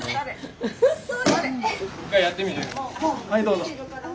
はいどうぞ。